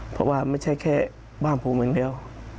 เพราะว่าไม่ใช่แค่บ้านพวกมันเดียว